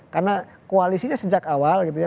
karena koalisinya sejak awal gitu ya